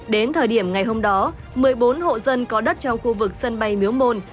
đến thời điểm ngày hôm đó một mươi bốn hộ dân có đất trong khu vực sân bay miếu môn